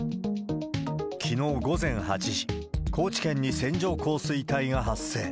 きのう午前８時、高知県に線状降水帯が発生。